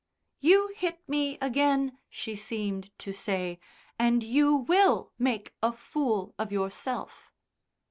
"You hit me again," she seemed to say, "and you will make a fool of yourself."